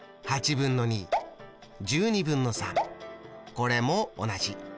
これも同じ。